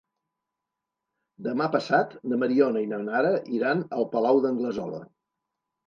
Demà passat na Mariona i na Nara iran al Palau d'Anglesola.